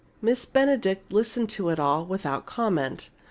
Miss Benedict listened to it all without comment.